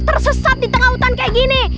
tersesat di tengah hutan kayak gini